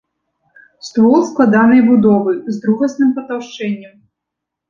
Ствол складанай будовы, з другасным патаўшчэннем.